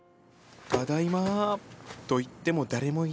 ただいまと言っても誰もいない。